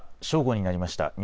正午になりました。